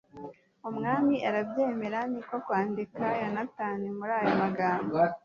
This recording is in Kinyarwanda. umwami arabyemera, ni ko kwandikira yonatani muri aya magambo